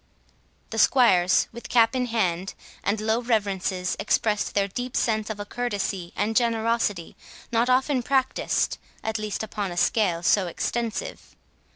The squires, with cap in hand, and low reverences, expressed their deep sense of a courtesy and generosity not often practised, at least upon a scale so extensive.